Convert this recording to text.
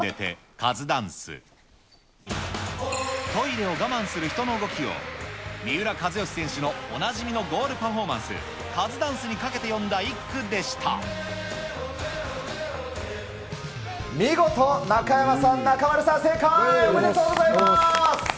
トイレを我慢する人の動きを、三浦知良選手のおなじみのゴールパフォーマンス、カズダンスにか見事、中山さん、中丸さん、正解、おめでとうございます。